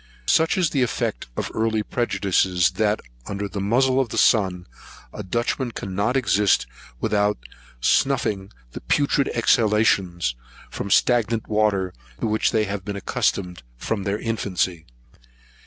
Such is the effect of early prejudices, that, under the muzle of the sun, a Dutchman cannot exist without snuffing the putrid exhalations from stagnant water, to which they have been accustomed from their infancy.